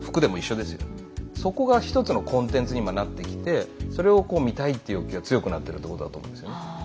そこが一つのコンテンツに今なってきてそれを見たいって欲求が強くなってるってことだと思うんですよね。